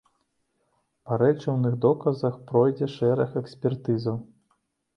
Па рэчыўных доказах пройдзе шэраг экспертызаў.